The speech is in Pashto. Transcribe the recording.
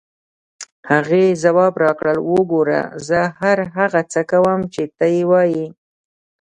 هغې ځواب راکړ: وګوره، زه هر هغه څه کوم چې ته یې وایې.